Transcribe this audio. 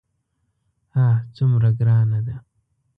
آه څومره ګرانه ده.